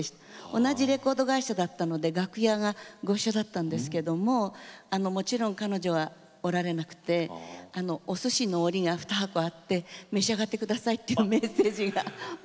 同じレコード会社だったので楽屋がごいっしょだったんですけれどもちろん彼女は、おられなくておすしの折が２箱あって召し上がってくださいとメッセージがあって。